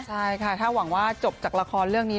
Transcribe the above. ใช่ค่ะถ้าหวังว่าจบจากละครเรื่องนี้